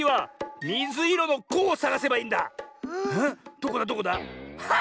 どこだどこだ？